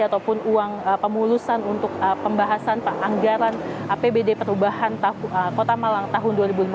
ataupun uang pemulusan untuk pembahasan anggaran apbd perubahan kota malang tahun dua ribu lima belas